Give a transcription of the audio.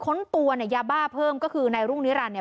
ค้นตัวเนี่ยยาบ้าเพิ่มก็คือนายรุ่งนิรันดิ